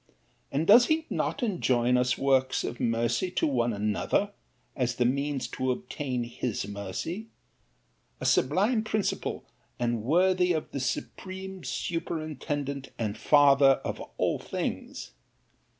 And does he not enjoin us works of mercy to one another, as the means to obtain his mercy? A sublime principle, and worthy of the SUPREME SUPERINTENDENT and FATHER of all things!